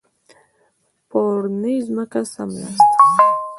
په اورنۍ ځمکه څملاست.